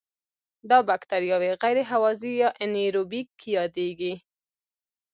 دا بکټریاوې غیر هوازی یا انئیروبیک یادیږي.